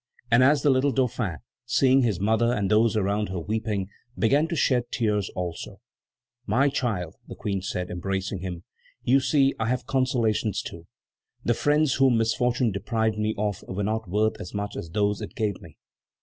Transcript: And as the little Dauphin, seeing his mother and those around her weeping, began to shed tears also: "My child," the Queen said, embracing him, "you see I have consolations too; the friends whom misfortune deprived me of were not worth as much as those it gave me."